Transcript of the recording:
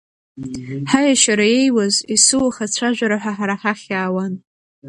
Ҳаиашьара иеиуаз, есуаха цәажәара ҳәа ҳара ҳахь иаауан.